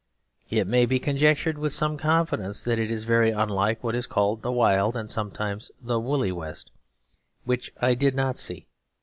It may be conjectured with some confidence that it is very unlike what is called the Wild and sometimes the Woolly West, which I did not see.